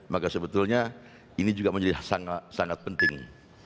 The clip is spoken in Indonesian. maka sebetulnya ini juga menjadi sangat penting